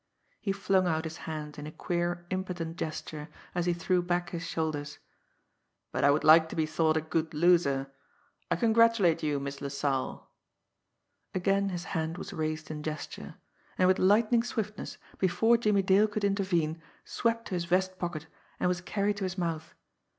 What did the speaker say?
He flung out his hand in a queer, impotent gesture, as he threw back his shoulders. "But I would like to be thought a good loser. I congratulate you, Miss LaSalle!" Again his hand was raised in gesture and with lightning swiftness, before Jimmie Dale could intervene, swept to his vest pocket and was carried to his mouth.